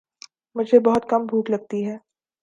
مجھے بہت کم بھوک لگتی ہے